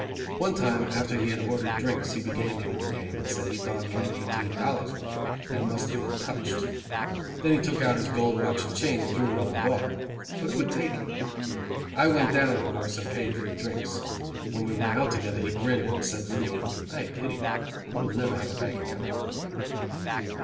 One time, after he had ordered drinks, he began the old game, said he thought he had eighteen dollars with him, and must have been touched. Then he took out his gold watch and chain and threw it on the bar. But who would take it? I went down, of course, and paid for the drinks. When we went out together, he grinned, and said to me: "I pity you. You will never have a bank account, my boy."